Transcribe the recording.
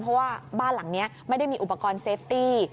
เพราะว่าบ้านหลังนี้ไม่ได้มีอุปกรณ์เซฟตี้